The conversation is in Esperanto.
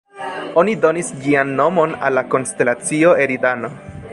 Oni donis ĝian nomon al la konstelacio Eridano.